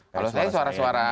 kalau saya suara suara